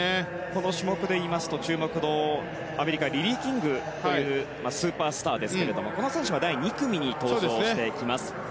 この種目でいいますと注目は、アメリカのリリー・キングというスーパースターですけれどもこの選手は第２組に登場してきます。